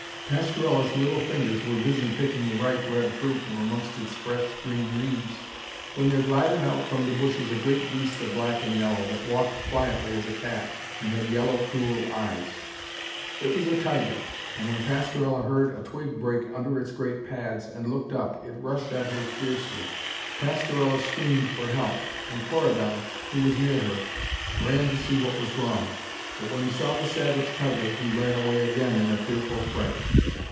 Pastorella's little fingers were busy picking the ripe red fruit from amongst its fresh green leaves, when there glided from out the bushes a great beast of black and yellow, that walked quietly as a cat and had yellow, cruel eyes. It was a tiger, and when Pastorella heard a twig break under its great pads, and looked up, it rushed at her fiercely. Pastorella screamed for help, and Corydon, who was near her, ran to see what was wrong. But when he saw the savage tiger, he ran away again in a fearful fright.